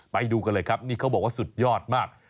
ไปดูกันเลยครับนี่เขาบอกว่าสุดยอดมาก